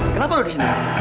kenapa lu disini